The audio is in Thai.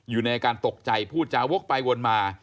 อยู่ในอาการตกใจพูดจาวกไปวนมา